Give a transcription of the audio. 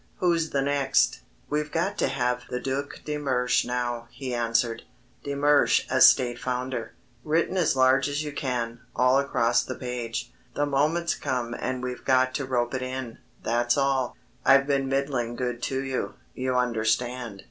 "Who's the next?" "We've got to have the Duc de Mersch now," he answered, "De Mersch as State Founder written as large as you can all across the page. The moment's come and we've got to rope it in, that's all. I've been middling good to you.... You understand...."